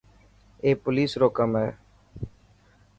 اي پوليس رو ڪم هي.